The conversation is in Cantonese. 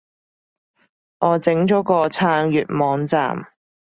我整咗個撐粵網站